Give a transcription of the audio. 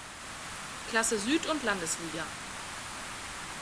Klasse Süd und Landesliga.